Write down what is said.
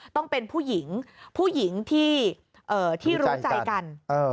ต้องเป็นผู้หญิงผู้หญิงที่รู้ใจกัน